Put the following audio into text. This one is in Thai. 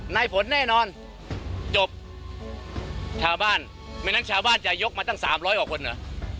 ในผลแน่นอนจบชาวบ้านไม่งั้นชาวบ้านจะยกมาตั้งสามร้อยกว่าคนเหรอ